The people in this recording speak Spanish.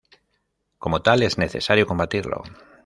Como tal, es necesario combatirlo.